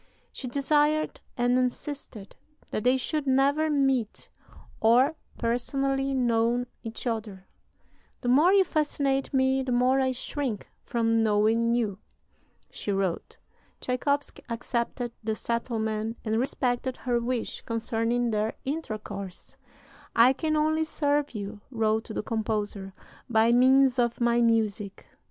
She desired and insisted that they should never meet or personally know each other; "the more you fascinate me, the more I shrink from knowing you," she wrote. Tschaikowsky accepted the settlement, and respected her wish concerning their intercourse. "I can only serve you," wrote the composer, "by means of my music.